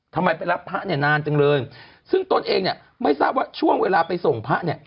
ทำไมไปรับพระนานจังเลยซึ่งตนเองไม่ทราบว่าช่วงเวลาไปส่งพระ